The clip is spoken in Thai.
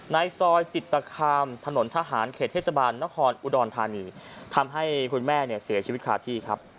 ในซอยจิตคามถนนทหารเขตเทศบาลนครอุดรธานีทำให้คุณแม่เนี่ยเสียชีวิตคาที่ครับ